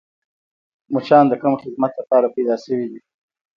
مچان د کوم خدمت دپاره پیدا شوي دي؟